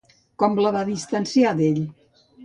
Com la va distanciar d'ell?